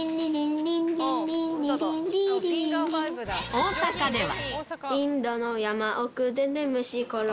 大阪では。